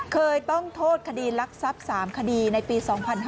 เคยต้องโทษคดีลักษับ๓คดีในปี๒๕๕๖